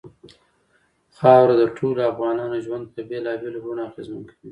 خاوره د ټولو افغانانو ژوند په بېلابېلو بڼو اغېزمن کوي.